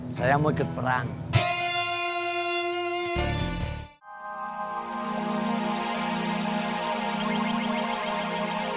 saya mau ikut perang